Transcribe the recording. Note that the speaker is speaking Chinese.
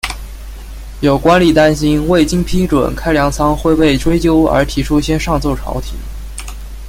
有官吏担心未经批准开粮仓会被追究而提出先上奏朝廷。